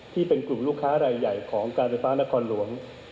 ที่เป็นกลุ่มลูกค้ารายใหญ่ของการไฟฟ้านครหลวง